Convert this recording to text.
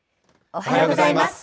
おはようございます。